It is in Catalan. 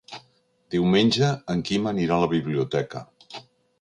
Diumenge en Quim anirà a la biblioteca.